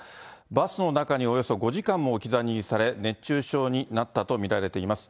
バスの中におよそ５時間も置き去りにされ、熱中症になったと見られています。